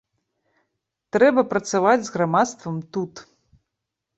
Трэба працаваць з грамадствам тут.